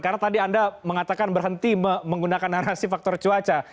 karena tadi anda mengatakan berhenti menggunakan narasi faktor cuaca